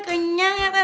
kenyang ya tante ya